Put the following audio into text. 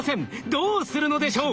どうするのでしょう。